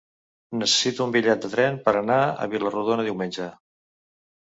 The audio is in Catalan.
Necessito un bitllet de tren per anar a Vila-rodona diumenge.